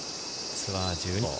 ツアー１２勝。